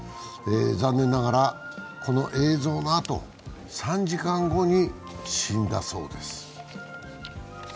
残念ながら、この映像のあと３時間後に死んだそうです。